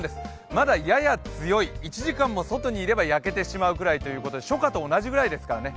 まだやや強い、１時間も外にいれば焼けてしまうくらいということですから初夏と同じくらいですからね。